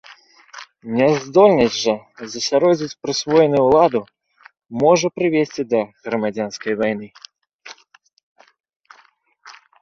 Няздольнасць жа засяродзіць прысвоеную ўладу можа прывесці да грамадзянскай вайны.